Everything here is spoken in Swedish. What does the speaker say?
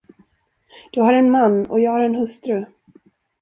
Du har en man, och jag har en hustru.